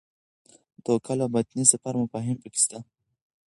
د توکل او باطني سفر مفاهیم پکې شته.